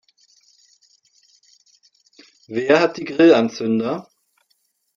Wer hat die Grillanzünder?